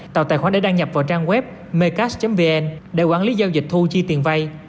tạo tài khoản để đăng nhập vào trang web mecas vn để quản lý giao dịch thu chi tiền vay